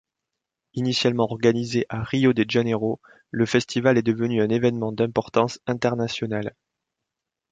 Initialement organisé à Rio de Janeiro, le festival est devenu un événement d'importance internationale.